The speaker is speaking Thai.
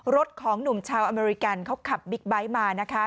รถของหนุ่มชาวอเมริกันเขาขับบิ๊กไบท์มานะคะ